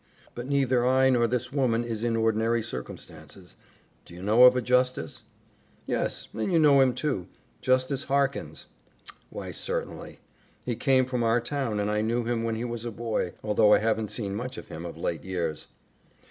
But neither I nor this woman is in ordinary circumstances. Do you know of a justice?" "Yes, and you know him, too; Justice Harkins." "Why, certainly. He came from our town and I knew him when he was a boy, although I haven't seen much of him of late years."